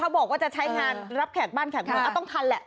บอกว่าจะใช้งานรับแขกบ้านแขกเมืองต้องทันแหละ